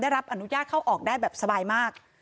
รับอนุญาตเข้าออกได้แบบสบายมาก